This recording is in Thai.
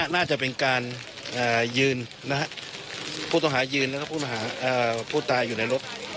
น่าจะเป็นการยืนนะครับผู้ต้องหายืนแล้วก็ผู้ตายอยู่ในรถนะครับ